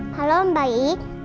halo om baik